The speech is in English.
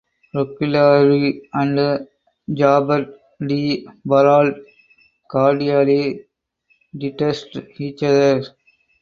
Roquelaure and Jaubert de Barrault cordially detested each other.